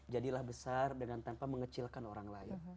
jadilah besar dengan tanpa mengecilkan orang lain